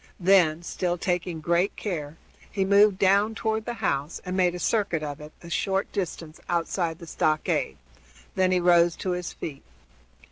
Then, still taking great care, he moved down toward the house and made a circuit of it a short distance outside the stockade; then he rose to his feet.